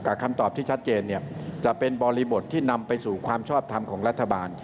คำตอบที่ชัดเจนจะเป็นบริบทที่นำไปสู่ความชอบทำของรัฐบาล